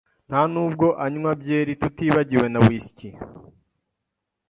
Nta nubwo anywa byeri, tutibagiwe na whisky.